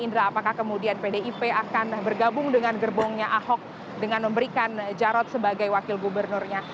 indra apakah kemudian pdip akan bergabung dengan gerbongnya ahok dengan memberikan jarod sebagai wakil gubernurnya